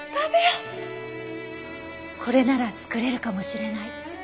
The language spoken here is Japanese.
これなら作れるかもしれない。